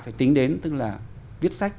phải tính đến tức là viết sách